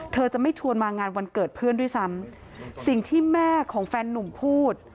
เธอจะไม่ชวนมางานวันเกิดเพื่อนด้วยซ้ำสิ่งที่แม่ของแฟนนุ่มพูด